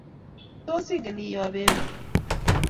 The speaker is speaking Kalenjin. Tos, ingen iyoo bendo?